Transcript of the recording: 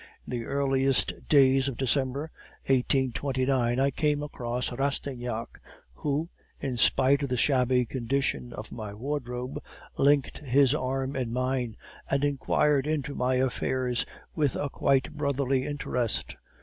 In the earliest days of December 1829, I came across Rastignac, who, in spite of the shabby condition of my wardrobe, linked his arm in mine, and inquired into my affairs with a quite brotherly interest.